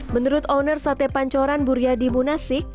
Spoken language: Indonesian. menurut owner sate pancoran buryadi munasik